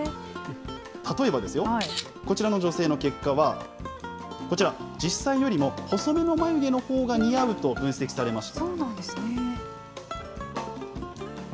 例えばですよ、こちらの女性の結果は、こちら、実際よりも細めの眉毛のほうが似合うと分析されました。